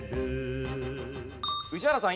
宇治原さん